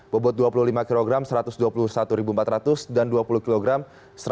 bobot dua puluh lima kg rp satu ratus dua puluh satu empat ratus dan dua puluh kg rp satu ratus satu dua ratus